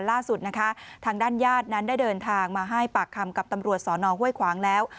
ล่าสุดนะคะทางด้านญาตินั้นได้เดินทางมาให้ปากคำกับตำรวจสอนอห้วยขวางแล้ว